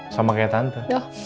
sama kayak tante